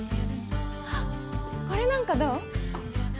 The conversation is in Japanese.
あっこれなんかどう？